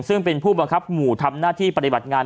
ซึ่งเป็นผู้บังคับหมู่ทำหน้าที่ปฏิบัติงาน